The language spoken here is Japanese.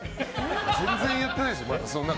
全然やってないですよ。